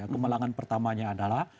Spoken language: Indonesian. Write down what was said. kemalangan pertamanya adalah